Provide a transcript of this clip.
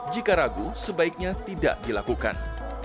jika ragu sebaiknya tidak dilakukan